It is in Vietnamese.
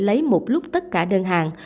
anh phải lấy một lúc tất cả đơn hàng